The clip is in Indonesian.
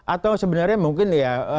atau sebenarnya mungkin ya